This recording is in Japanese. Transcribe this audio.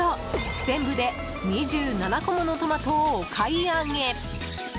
全部で、２７個ものトマトをお買い上げ。